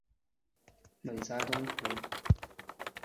美哉东湖！